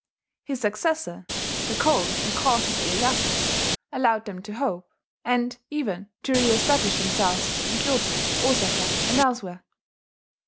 His successor, the cold and cautious Iyeyasu, allowed them to hope, and even to reestablish themselves in Kyoto, Osaka, and elsewhere.